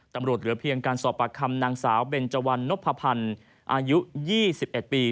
เหลือเพียงการสอบปากคำนางสาวเบนเจวันนพพันธ์อายุ๒๑ปี